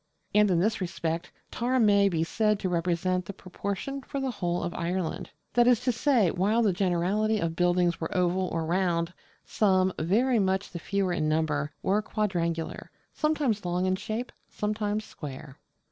And in this respect Tara may be said to represent the proportion for the whole of Ireland: that is to say, while the generality of buildings were oval or round, some very much the fewer in number were quadrangular, sometimes long in shape, sometimes square.